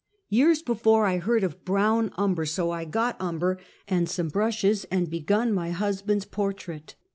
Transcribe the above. Years before, I heard of brown umber, so I got umber and some brushes and begun my husband's portrait.